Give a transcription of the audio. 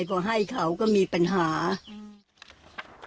เพราะให้เขาก็มีปัญหา